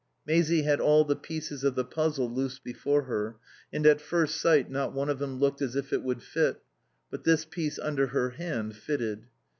Maisie had all the pieces of the puzzle loose before her, and at first sight not one of them looked as if it would fit. But this piece under her hand fitted.